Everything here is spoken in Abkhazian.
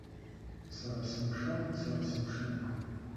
Сара сымшын, сара сымшын!